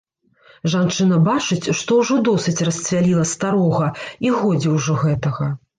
Жанчына бачыць, што ўжо досыць расцвяліла старога, і годзе ўжо гэтага.